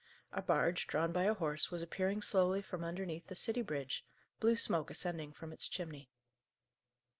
A barge, drawn by a horse, was appearing slowly from underneath the city bridge, blue smoke ascending from its chimney.